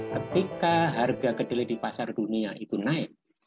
ketika harga kedelai di pasar dunia itu naik